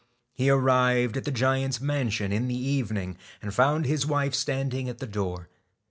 He arrived at the giant's mansion in the evening, and found his wife standing at the door.